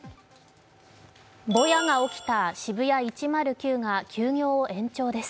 ぼやが起きたＳＨＩＢＵＹＡ１０９が休業を延長です。